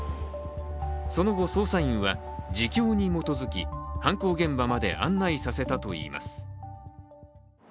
その後、捜査員は自供に基づき犯行現場まで案内させたといいます。